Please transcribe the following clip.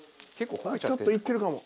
ちょっといってるかも。